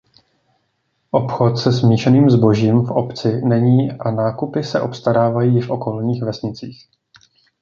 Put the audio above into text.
Obchod se smíšeným zbožím v obci není a nákupy se obstarávají v okolních vesnicích.